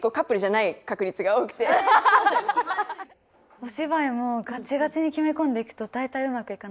お芝居もガチガチに決め込んでいくと大体うまくいかなくて。